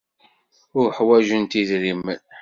Ur ḥwajent idrimen.